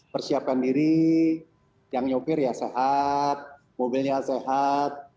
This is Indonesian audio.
persiapkan diri yang nyopir ya sehat mobilnya sehat